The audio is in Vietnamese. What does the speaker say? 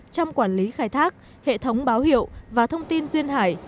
trong quản lý khai thác hệ thống báo hiệu và thông tin duyên hải